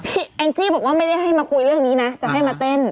แองจี้บอกว่าไม่ได้ให้มาคุยเรื่องนี้นะจะให้มาเต้น